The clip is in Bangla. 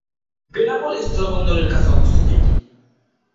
বেনাপোল স্থলবন্দর এর কাছে অবস্থিত এটি।